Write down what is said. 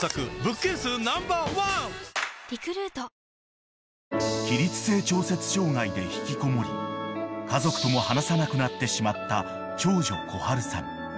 本麒麟［起立性調節障害で引きこもり家族とも話さなくなってしまった長女こはるさん］